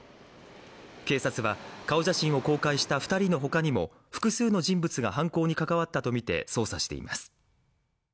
警察は顔写真を公開した二人のほかにも複数の人物が犯行に関わったとみて捜査しています